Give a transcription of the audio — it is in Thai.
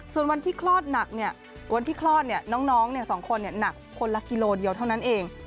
ส่วนวันที่คลอดหนักเนี่ยวันที่คลอดน้อง๒คนหนักคนละกิโลเดียวเท่านั้นเอง